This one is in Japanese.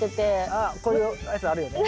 あっこういうやつあるよね。